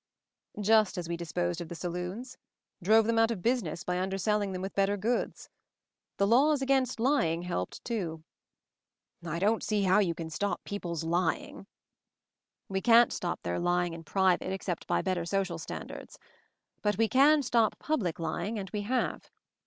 "Just as we disposed of the saloons; drove them out of business by underselling them with better goods. The laws against lying helped too." "I don't see how you can stop people's lying" "We can't stop their lying in private, ex cept by better social standards; but we can stop public lying, and we have.